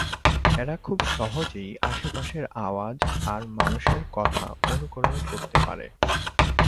এরা খুব সহজেই আশেপাশের আওয়াজ আর মানুষের কথা অনুকরণ করতে পারে।